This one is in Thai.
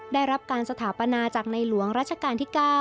ได้รับการสถาปนาจากในหลวงรัชกาลที่๙